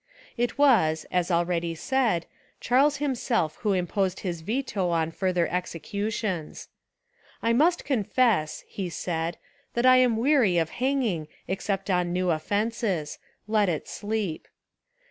It was, as already said, Charles him self who imposed his veto on further execu tions. "I must confess," he said, "that I am weary of hanging except on new offences: let It sleep."